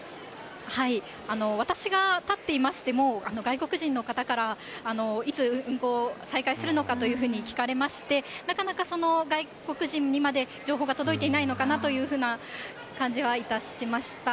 私が立っていましても、外国人の方から、いつ、運行再開するのかというふうに聞かれまして、なかなか外国人にまで情報が届いていないのかなというふうな感じはいたしました。